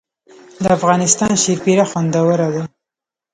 د افغانستان شیرپیره خوندوره ده